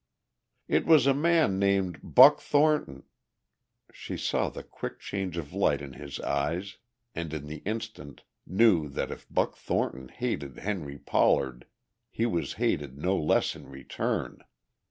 "It was a man named Buck Thornton...." She saw the quick change of light in his eyes and in the instant knew that if Buck Thornton hated Henry Pollard he was hated no less in return.